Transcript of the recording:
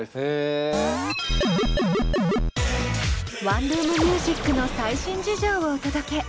ワンルーム☆ミュージックの最新事情をお届け。